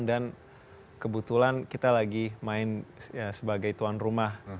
kebetulan kita lagi main sebagai tuan rumah